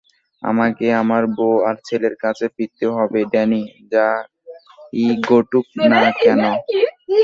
আমাকে আমার বউ আর ছেলের কাছে ফিরতে হবে ড্যানি, যাই ঘটুক না কেন।